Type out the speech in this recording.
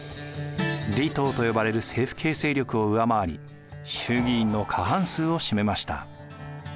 吏党と呼ばれる政府系勢力を上回り衆議院の過半数を占めました。